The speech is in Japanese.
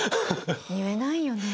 言えないよね。